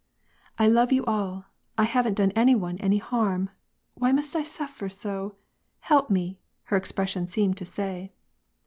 " I love you all ; I haven't done any one any harm ; why must I suffer so ? Help me !" her expression seemed to say.